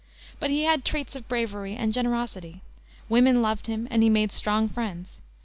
But he had traits of bravery and generosity. Women loved him, and he made strong friends.